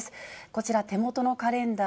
こちら、手元のカレンダ